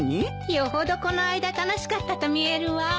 よほどこの間楽しかったと見えるわ。